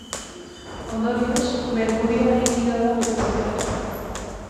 Ondorioz, merkurioa likidoa da giro-tenperaturan.